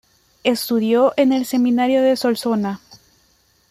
Estudió en el Seminario de Solsona.